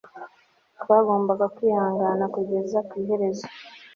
twagombaga kwihangana kugeza ku iherezo